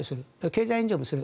経済援助もする。